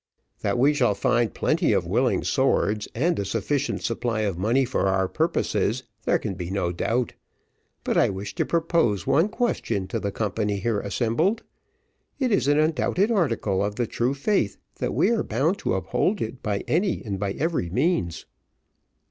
"That we shall find plenty of willing swords, and a sufficient supply of money for our purposes, there can be no doubt; but I wish to propose one question to the company here assembled. It is an undoubted article of the true faith, that we are bound to uphold it by any and by every means.